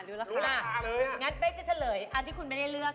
รู้ราคาอย่างนั้นเฮ้ยจะเฉลยอาทิตอุ้ยไม่ได้เลือกฮะ